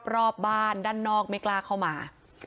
รอบบ้านด้านนอกไม่กล้าเข้ามา